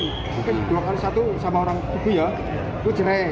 mungkin dua kali satu sama orang ibu ya itu jerai